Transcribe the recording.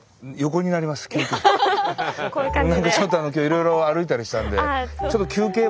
何かちょっと今日いろいろ歩いたりしたんで。